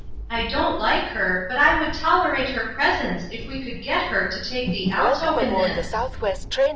I don't like her, but I would tolerate her presence if we could get her to take the alto in this."